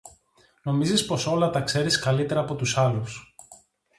Νομίζεις πως όλα τα ξέρεις καλύτερα από τους άλλους.